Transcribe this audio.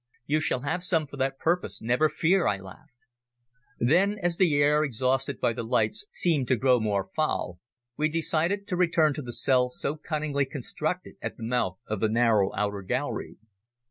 "You shall have some for that purpose, never fear," I laughed. Then, as the air exhausted by the lights seemed to grow more foul, we decided to return to the cell so cunningly constructed at the mouth of the narrow outer gallery.